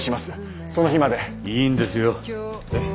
いいんですよ。